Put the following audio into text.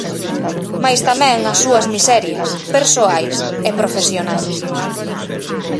Mais tamén as súas miserias, persoais e profesionais.